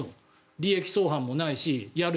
利益相反もないしやる